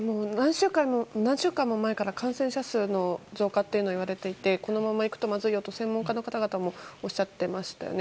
何週間も前から感染者数の増加というのは言われていてこのままいくとまずいよと専門家の方々もおっしゃってましたよね。